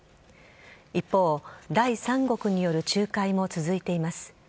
一方、第三国による仲介も続いています。